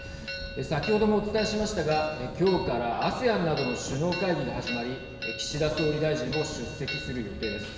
先ほどもお伝えしましたが今日からＡＳＥＡＮなどの首脳会議が始まり岸田総理大臣も出席する予定です。